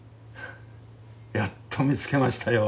やっと見つけましたよ。